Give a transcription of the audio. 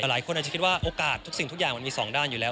หลายคนอาจจะคิดว่าโอกาสทุกสิ่งมันมี๒ด้านอยู่แล้ว